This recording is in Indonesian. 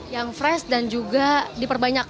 yang fresh dan juga diperbanyak